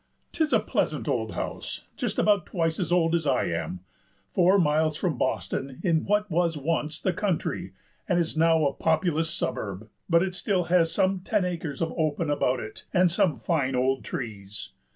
"'Tis a pleasant old house, just about twice as old as I am, four miles from Boston, in what was once the country and is now a populous suburb. But it still has some ten acres of open about it, and some fine old trees.